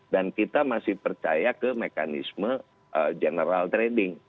dan kita masih percaya ke mekanisme general trading